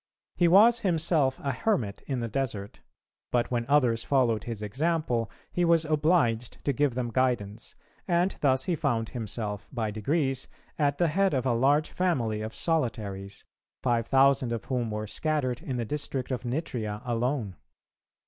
He was himself a hermit in the desert; but when others followed his example, he was obliged to give them guidance, and thus he found himself, by degrees, at the head of a large family of solitaries, five thousand of whom were scattered in the district of Nitria alone.